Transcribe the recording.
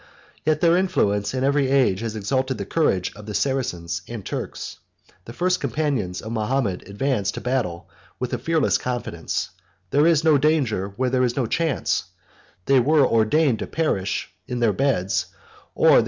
Yet their influence in every age has exalted the courage of the Saracens and Turks. The first companions of Mahomet advanced to battle with a fearless confidence: there is no danger where there is no chance: they were ordained to perish in their beds; or they were safe and invulnerable amidst the darts of the enemy.